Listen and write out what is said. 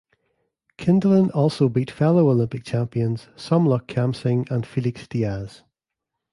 Kindelan also beat fellow Olympic champions Somluck Kamsing and Felix Diaz.